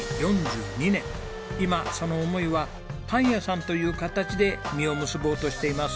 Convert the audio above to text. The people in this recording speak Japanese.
今その思いはパン屋さんという形で実を結ぼうとしています。